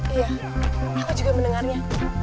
iya aku juga mendengarnya